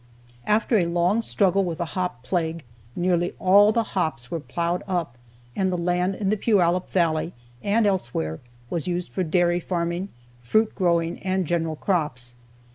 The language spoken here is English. After a long struggle with the hop plague, nearly all the hops were plowed up and the land in the Puyallup valley and elsewhere was used for dairy farming, fruit growing, and general crops.